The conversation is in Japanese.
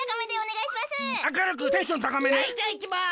はいじゃあいきます！